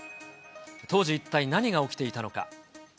当時、一体何が起きていたのか。